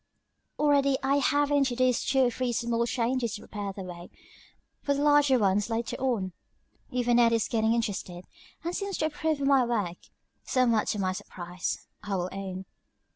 "Already I have introduced two or three small changes to prepare the way for the larger ones later on. Even Ned is getting interested, and seems to approve of my work, somewhat to my surprise, I will own.